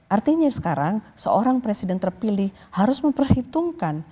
artinya sekarang seorang presiden terpilih harus memperhitungkan